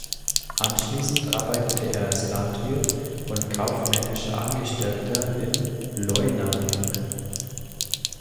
Anschließend arbeitete er als Landwirt und kaufmännischer Angestellter im Leuna-Werk.